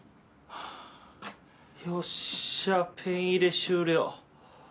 よっしゃペン入れ終了。